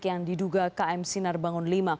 yang diduga km sinar bangun v